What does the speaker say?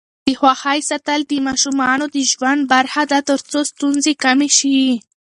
د خوښۍ ساتل د ماشومانو د ژوند برخه ده ترڅو ستونزې کمې شي.